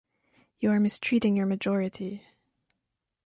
You are mistreating your majority.